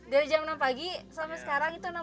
dari jam enam pagi sampai sekarang itu enam puluh